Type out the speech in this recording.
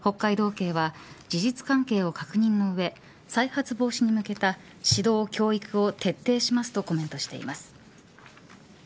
警は事実関係を確認の上再発防止に向けた指導教育を徹底しますとコメントしています。